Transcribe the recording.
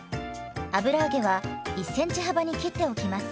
油揚げは１ｃｍ幅に切っておきます。